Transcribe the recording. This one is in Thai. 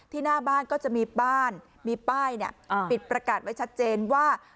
หน้าบ้านก็จะมีบ้านมีป้ายปิดประกาศไว้ชัดเจนว่า